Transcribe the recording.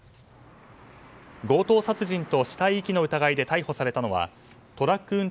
強盗殺人と死体遺棄の疑いで逮捕されたのはトラック